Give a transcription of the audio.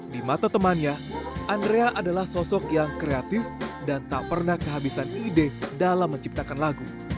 di mata temannya andrea adalah sosok yang kreatif dan tak pernah kehabisan ide dalam menciptakan lagu